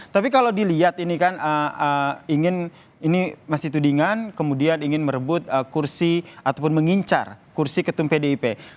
tapi kalau dilihat ini kan ingin ini masih tudingan kemudian ingin merebut kursi ataupun mengincar kursi ketum pdip